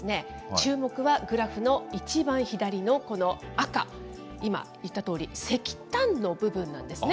注目はグラフの一番左のこの赤、今、言ったとおり、石炭の部分なんですね。